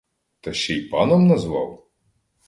Та ще й паном назвав?